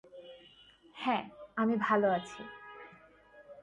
হ্যাঁ, আমি ভালো আছি।